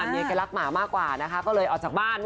เมียแกรักหมามากกว่านะคะก็เลยออกจากบ้าน